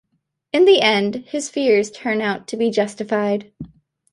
In the end his fears turn out to be justified.